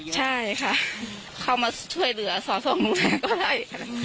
ใช่ค่ะเข้ามาช่วยเหลือสอนศั่งเจ้าก็ได้